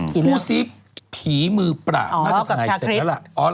ดูสิผีมือปราบน่าจะถ่ายเสร็จแล้วล่ะ